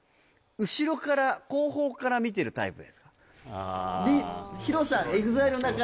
後ろから後方から見てるタイプですか？